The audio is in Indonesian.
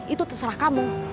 itu terserah kamu